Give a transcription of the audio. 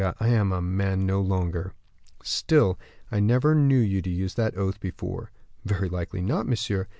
_ I am a man no longer." "Still, I never knew you use that oath before." "Very likely not, monsieur.